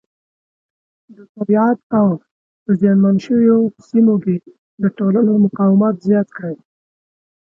د طبیعیت او په زیان منو شویو سیمو کې د ټولنو مقاومت زیات کړي.